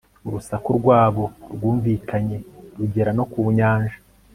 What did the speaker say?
urusaku rwabo rwumvikanye rugera no ku nyanja